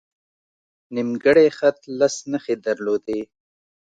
نیمګړی خط لس نښې درلودې.